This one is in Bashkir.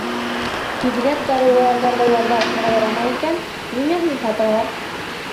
Биҙгәк дарыуы Әгәр ҙә уларҙы ашарға ярамай икән, ниңә һуң һаталар?